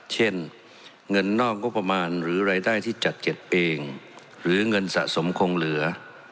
เช่นเงินนอกงบประมาณหรือรายได้ที่จัดเก็บเองหรือเงินสะสมคงเหลือ